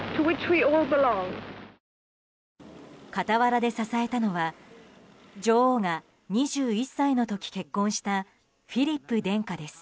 傍らで支えたのは女王が２１歳の時結婚したフィリップ殿下です。